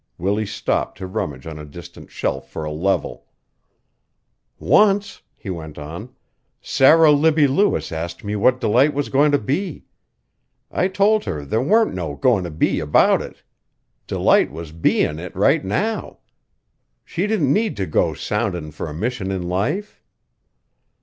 Willie stopped to rummage on a distant shelf for a level. "Once," he went on, "Sarah Libbie Lewis asked me what Delight was goin' to be. I told her there warn't no goin' to be about it; Delight was bein' it right now. She didn't need to go soundin' for a mission in life."